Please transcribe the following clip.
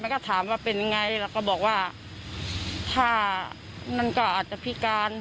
แล้วก็บอกว่าถ้านั้นก็อาจจะพิการ